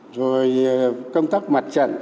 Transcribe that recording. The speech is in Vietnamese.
rồi công tác mặt trận